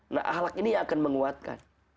nah ahlak ini yang akan menguatkan